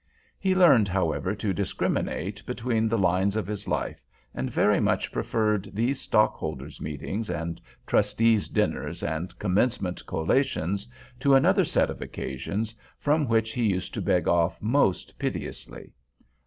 He learned, however, to discriminate between the lines of his life, and very much preferred these stockholders' meetings and trustees' dinners and commencement collations to another set of occasions, from which he used to beg off most piteously.